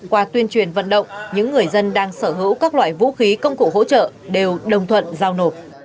qua tuyên truyền vận động những người dân đang sở hữu các loại vũ khí công cụ hỗ trợ đều đồng thuận giao nổ